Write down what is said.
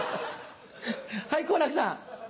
はい好楽さん。